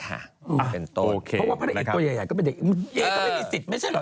เพราะว่าพระเอกตัวใหญ่ก็เป็นเด็กเอ๊ก็ไม่มีสิทธิ์ไม่ใช่เหรอ